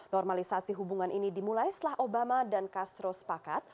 normalisasi hubungan ini dimulai setelah obama dan castro sepakat